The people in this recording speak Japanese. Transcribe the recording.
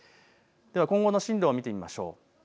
今後の進路を見ていきましょう。